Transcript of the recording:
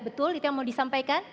betul itu yang mau disampaikan